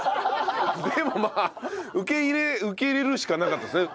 でもまあ受け入れ受け入れるしかなかったですね。